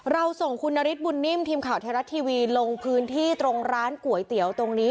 เราส่งคุณนฤทธบุญนิ่มทีมข่าวไทยรัฐทีวีลงพื้นที่ตรงร้านก๋วยเตี๋ยวตรงนี้